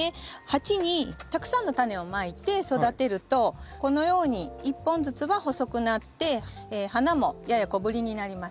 鉢にたくさんのタネをまいて育てるとこのように１本ずつは細くなって花もやや小ぶりになります。